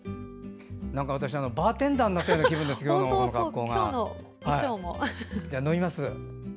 私、バーテンダーになったような気分ですけど、この格好。